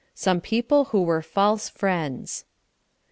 SOME PEOPLE WHO WERE FALSE FRIENDS.